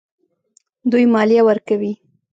دوی مالیه ورکوي.